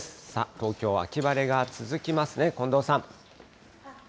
東京は秋晴れが続きますね、近藤さん。